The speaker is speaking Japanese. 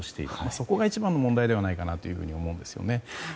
そこが一番の問題ではないかなと思うんですね。